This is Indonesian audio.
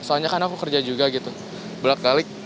soalnya kan aku kerja juga gitu belak belik